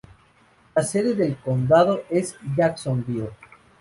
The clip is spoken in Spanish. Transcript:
La sede del condado es Jacksonville.